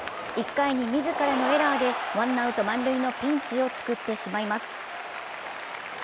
１回に自らのエラーで１アウト満塁のピンチを作ってしまいます。